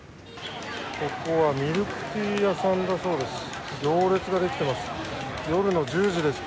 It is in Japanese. ここはミルクティー屋さんだそうです。